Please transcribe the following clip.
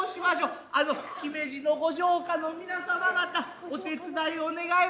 あの姫路の御城下の皆様方お手伝いを願えますか。